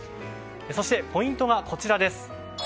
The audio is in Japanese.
そして、ポイントはこちらです。